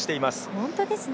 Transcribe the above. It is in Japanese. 本当ですね。